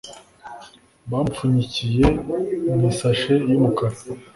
bamupfunyikiye mu isashe y’umukara